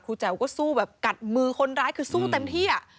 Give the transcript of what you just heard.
แจ๋วก็สู้แบบกัดมือคนร้ายคือสู้เต็มที่อ่ะ